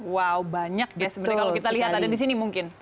wow banyak ya sebenarnya kalau kita lihat ada di sini mungkin